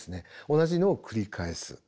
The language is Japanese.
同じのを繰り返す。